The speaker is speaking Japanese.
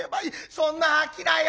そんな商いを』。